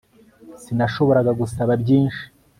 sinashoboraga gusaba byinshi